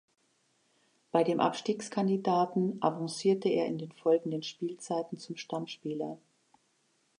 Bei dem Abstiegskandidaten avancierte er in den folgenden Spielzeiten zum Stammspieler.